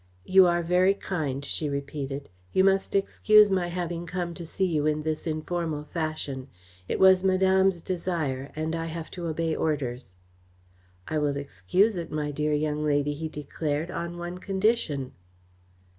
"You are very kind," she repeated. "You must excuse my having come to see you in this informal fashion. It was Madame's desire, and I have to obey orders." "I will excuse it, my dear young lady," he declared, "on one condition."